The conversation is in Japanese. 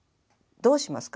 どうしますか？